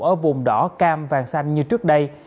ở vùng đỏ cam vàng xanh như trước đây